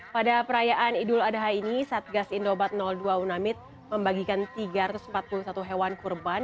pada perayaan idul adha ini satgas indobat dua unamid membagikan tiga ratus empat puluh satu hewan kurban